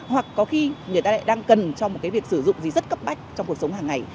hoặc có khi người ta lại đang cần cho một cái việc sử dụng gì rất cấp bách trong cuộc sống hàng ngày